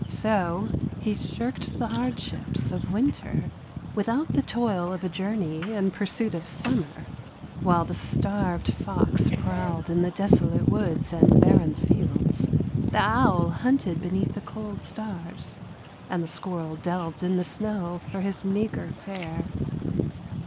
So he shirked the hardships of winter without the toil of a journey in pursuit of summer, while the starved fox prowled in the desolate woods and barren fields, the owl hunted beneath the cold stars, and the squirrel delved in the snow for his meagre fare.